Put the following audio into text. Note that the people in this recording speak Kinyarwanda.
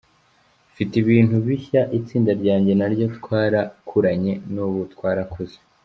Mfite ibintu bishya, itsinda ryanjye naryo twarakuranye, n’ubu twarakuze.